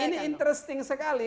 ini interesting sekali